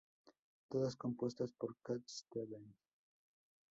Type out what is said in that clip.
Todas compuestas por Cat Stevens.